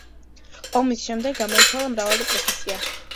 ომის შემდეგ გამოიცვალა მრავალი პროფესია.